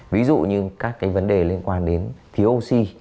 ví dụ như các cái vấn đề liên quan đến thiếu oxy